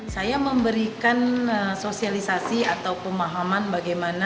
saya memberikan sosialisasi atau pemahaman bagaimana